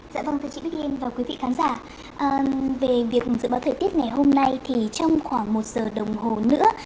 dạ vâng thưa chị đức linh và quý vị khán giả về việc dự báo thời tiết ngày hôm nay thì trong khoảng một giờ đồng hồ nữa